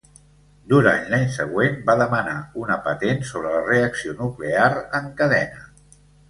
Durant l'any següent, va demanar una patent sobre la reacció nuclear en cadena.